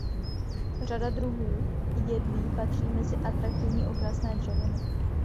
Řada druhů jedlí patří mezi atraktivní okrasné dřeviny.